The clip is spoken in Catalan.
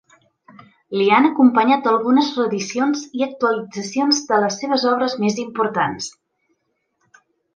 Li han acompanyat algunes reedicions i actualitzacions de les seves obres més importants.